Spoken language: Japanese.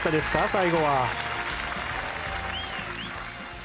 最後は。